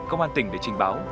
công an tỉnh để trình báo